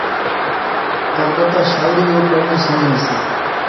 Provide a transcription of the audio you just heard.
البتہ شاعری او پڑھنی، سمجھنی سی